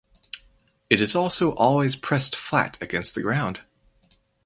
It is also always pressed flat against the ground.